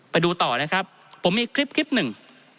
ไปดูต่อนะครับผมมีคลิปคลิปหนึ่ง